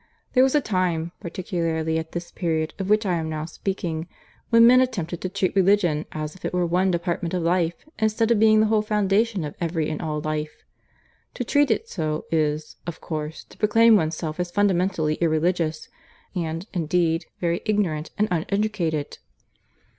There was a time, particularly at this period of which I am now speaking, when men attempted to treat Religion as if it were one department of life, instead of being the whole foundation of every and all life. To treat it so is, of course, to proclaim oneself as fundamentally irreligious and, indeed, very ignorant and uneducated.